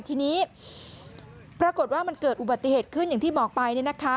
ทีนี้ปรากฏว่ามันเกิดอุบัติเหตุขึ้นอย่างที่บอกไป